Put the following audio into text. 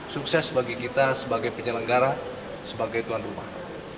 sukses bagi kita sebagai penyelenggara sebagai tuan rumah